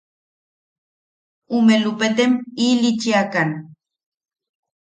Ume Lupetem ilichiakan.